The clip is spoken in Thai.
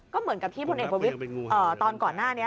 ก็เหมือนกับที่พลเอกประวิทย์ตอนก่อนหน้านี้